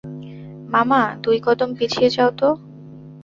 মামা, দুই কদম পিছিয়ে যাও তো।